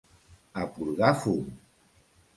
A porgar fum!